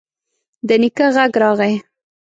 د نيکه غږ راغی: